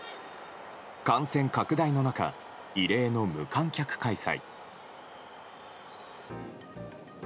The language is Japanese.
感染拡大の中異例の無観客開催。